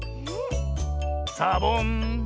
サボン。